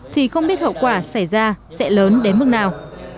thì không biết hậu quả xảy ra sẽ lớn đến mức nào